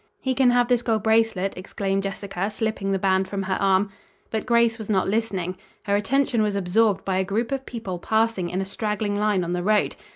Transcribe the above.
"He can have this gold bracelet," exclaimed Jessica, slipping the band from her arm. But Grace was not listening. Her attention was absorbed by a group of people passing in a straggling line on the road.